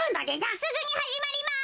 すぐにはじまります。